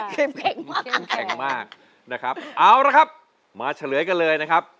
เค็มแข็งมากนะครับเอาละครับมาเฉลยกันเลยนะครับ